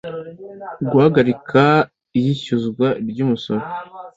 guhagarika iyishyuzwa ry umusoro